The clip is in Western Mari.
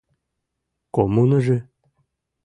— Коммуныжы?